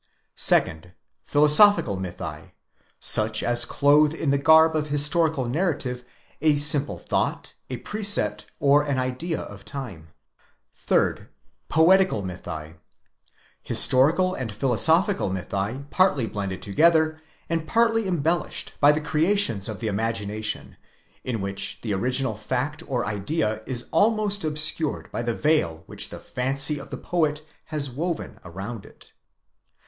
2nd. Philosophical mythi: such as clothe in the garb of historical narrative a simple thought, a precept, or an idea of the time. 3rd. Loetical mythi: historical and philosophical mythi partly blended together, and partly embellished by the creations of the imagination, in which the original fact or idea is almost obscured by the veil which the fancy of the poet has woven around it.